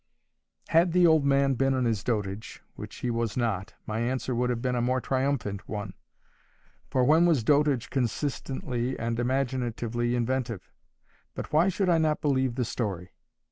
Had the old man been in his dotage, which he was not, my answer would have been a more triumphant one. For when was dotage consistently and imaginatively inventive? But why should I not believe the story?